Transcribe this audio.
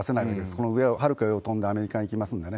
このはるか上を飛んでアメリカに行きますのでね。